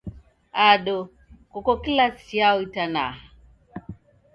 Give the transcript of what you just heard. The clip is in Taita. Ado, koko kilasi chiyao itanaha?